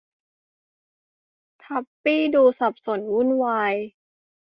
ทับปี้ดูสับสนวุ่นวาย